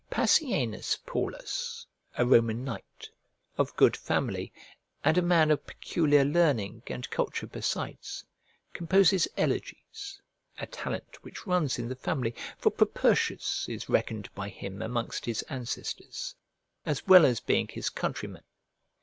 Passienus Paulus, a Roman knight, of good family, and a man of peculiar learning and culture besides, composes elegies, a talent which runs in the family, for Propertius is reckoned by him amongst his ancestors, as well as being his countryman.